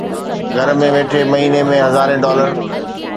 گهر ۾ ويٺي مهيني ۾ هزارين ڊالر